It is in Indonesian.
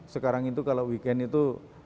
sekarang itu kalau weekend itu